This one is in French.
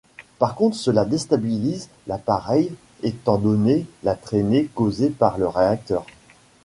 Par contre cela déstabilise l'appareil étant donné la trainée causée par le réacteur.